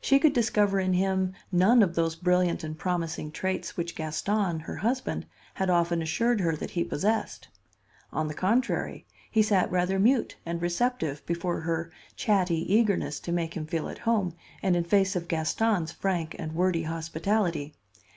She could discover in him none of those brilliant and promising traits which Gaston, her husband, had often assured her that he possessed. On the contrary, he sat rather mute and receptive before her chatty eagerness to make him feel at home and in face of Gaston's frank and wordy hospitality.